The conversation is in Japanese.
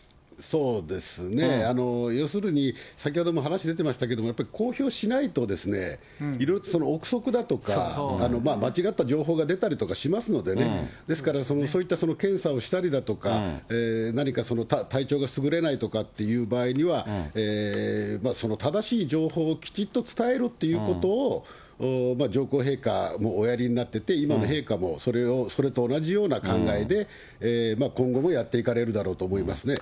要するに先ほども話出てましたけれども、やっぱり公表しないと、いろいろと臆測だとか、間違った情報が出たりとかしますのでね、ですからそういった検査をしたりだとか、何か体調がすぐれないとかっていう場合には、正しい情報をきちっと伝えるということを、上皇陛下もおやりになってて、今の陛下もそれをそれと同じような考えで、今後もやっていかれるだろうと思いますね。